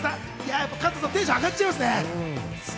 やっぱりテンションあがっちゃいますね。